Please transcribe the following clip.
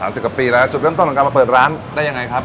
สิบกว่าปีแล้วจุดเริ่มต้นของการมาเปิดร้านได้ยังไงครับ